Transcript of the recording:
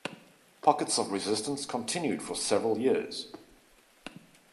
Pockets of resistance continued for several years.